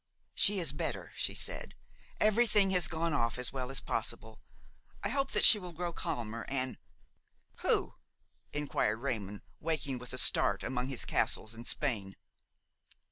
"She is better," she said; "everything has gone off as well as possible; I hope that she will grow calmer and–" "Who?" inquired Raymon, waking with a start among his castles in Spain.